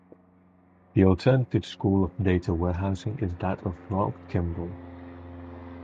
The alternative school of data warehousing is that of Ralph Kimball.